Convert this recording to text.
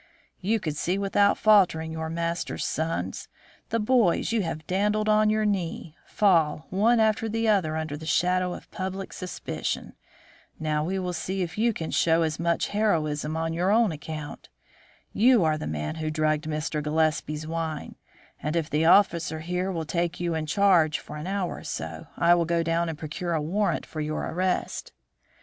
"You could see without faltering your master's sons, the boys you have dandled on your knee, fall one after the other under the shadow of public suspicion. Now we will see if you can show as much heroism on your own account. You are the man who drugged Mr. Gillespie's wine; and if the officer here will take you in charge for an hour or so, I will go down and procure a warrant for your arrest."